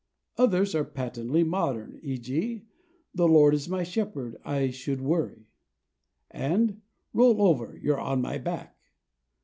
Others are patently modern, /e. g./, "The Lord is my shepherd; I should worry" and "Roll over; you're on your back."